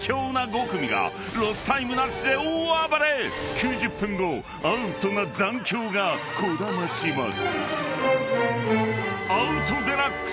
［９０分後アウトな残響がこだまします］